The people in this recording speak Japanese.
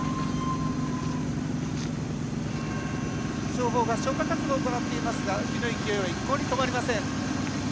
消防が消火活動を行っていますが火の勢いは一向に止まりません。